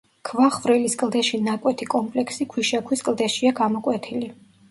ქვახვრელის კლდეში ნაკვეთი კომპლექსი ქვიშაქვის კლდეშია გამოკვეთილი.